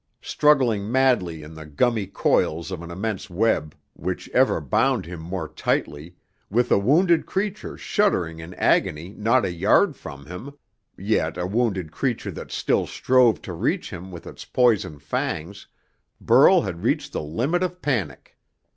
Struggling madly in the gummy coils of an immense web, which ever bound him more tightly, with a wounded creature shuddering in agony not a yard from him yet a wounded creature that still strove to reach him with its poison fangs Burl had reached the limit of panic.